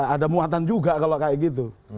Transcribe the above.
ada muatan juga kalau kayak gitu